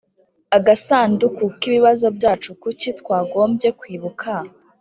Agasanduku k ibibazo byacu kuki twagombye kwibuka